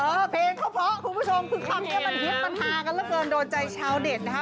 เออเพลงเผาคุณผู้ชมคือคำนี้มันยิบไหมมันทากันแล้วกันโดนใจเช้าเด็ดนะคะ